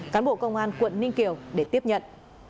cán bộ công an quận ninh kiều để tiếp nhận